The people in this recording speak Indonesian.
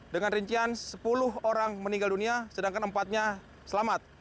dengan rincian sepuluh orang meninggal dunia sedangkan empatnya selamat